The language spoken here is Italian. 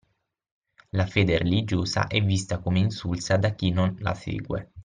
La fede religiosa è vista come insulsa da chi non la segue.